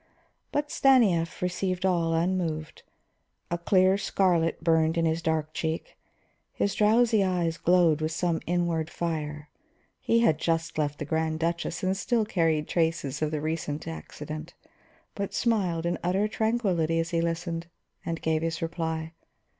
But Stanief received all unmoved. A clear scarlet burned in his dark cheek, his drowsy eyes glowed with some inward fire. He had just left the Grand Duchess and still carried traces of the recent accident, but he smiled in utter tranquillity as he listened, and gave his reply.